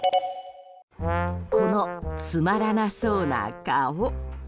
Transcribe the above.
この、つまらなそうな顔。